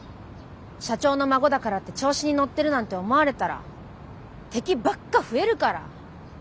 社長の孫だからって調子に乗ってるなんて思われたら敵ばっか増えるから。